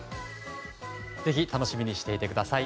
ぜひ楽しみにしていてください。